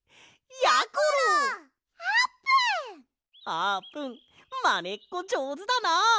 あーぷんまねっこじょうずだな。